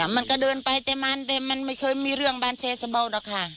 มันก็เดินไปแต่มันแต่มันไม่เคยมีเรื่องบานแชร์สะเบาหรอกค่ะ